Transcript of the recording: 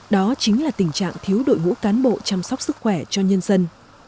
đó chính là tình trạng thiếu đội ngũ cán bộ chăm sóc sức khỏe cho nhân dân